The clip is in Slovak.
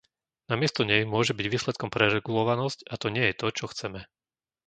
Namiesto nej môže byť výsledkom preregulovanosť, a to nie je to, čo chceme.